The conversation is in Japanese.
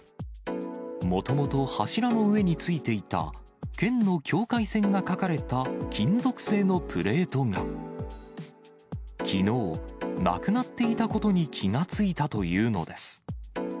もともと柱の上についていた、県の境界線が書かれた金属製のプレートが、きのう、なくなっていたことに気が付いたというのです。